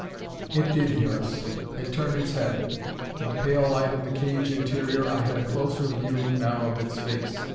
It did hear us. It turned its head. In the pale light of the cage interior, I had a closer view now of its face.